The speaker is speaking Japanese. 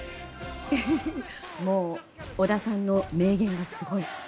織田さんの名言がすごい。